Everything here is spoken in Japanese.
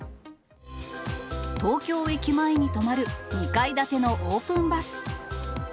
東京駅前に止まる２階建てのオープンバス。